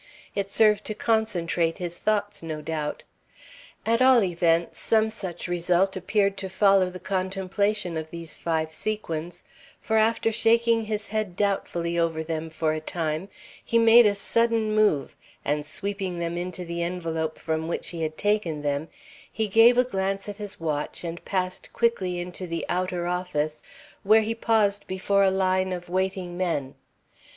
It served to concentrate his thoughts, no doubt. At all events, some such result appeared to follow the contemplation of these five sequins, for after shaking his head doubtfully over them for a time, he made a sudden move, and sweeping them into the envelope from which he had taken them, he gave a glance at his watch and passed quickly into the outer office, where he paused before a line of waiting men.